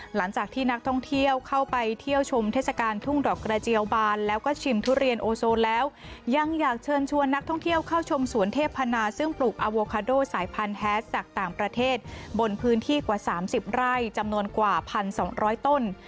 หลังจากที่นักท่องเที่ยวเข้าไปเที่ยวชมเทศกาลทุ่งดอกกระเจียวบานแล้วก็ชิมทุเรียนโอโซนแล้วยังอยากเชิญชวนนักท่องเที่ยวเข้าชมสวนเทพนาซึ่งปลูกอโวคาโดสายพันธุ์แฮสจากต่างประเทศบนพื้นที่กว่า๓๐ไร่จำนวนกว่า๑๒๐๐ต้น